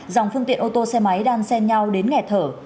dòng phương tiện ô tô xe máy đang sen nhau đến nghẹt thở